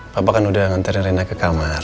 papa kan udah nganterin rina ke kamar